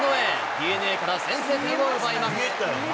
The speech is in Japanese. ＤｅＮＡから先制点を奪います。